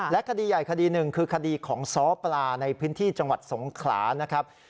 คดีใหญ่คดีหนึ่งคือคดีของซ้อปลาในพื้นที่จังหวัดสงขลานะครับ